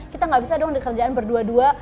kita gak bisa doang di kerjaan berdua dua